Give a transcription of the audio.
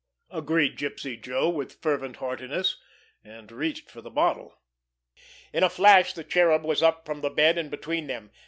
agreed Gypsy Joe with fervent heartiness—and reached for the bottle. In a flash the Cherub was up from the bed, and between them.